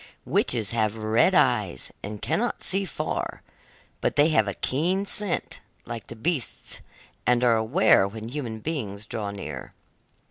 Witches have red eyes, and cannot see far, but they have a keen scent like the beasts, and are aware when human beings draw near.